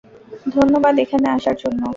ধন্যবাদ এখানে আসার জন্য।